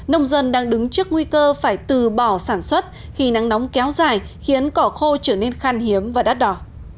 nông dân đang đứng trước nguy cơ phải từ bỏ sản xuất khi nắng nóng kéo dài khiến cỏ khô trở nên khan hiếm và đắt đỏ